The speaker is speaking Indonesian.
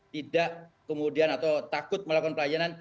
tidak kemudian atau takut melakukan pelayanan